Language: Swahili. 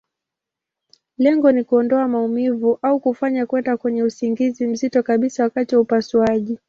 Lengo ni kuondoa maumivu, au kufanya kwenda kwenye usingizi mzito kabisa wakati wa upasuaji.